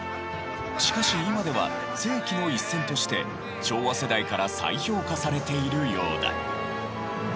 しかし今では「世紀の一戦」として昭和世代から再評価されているようだ。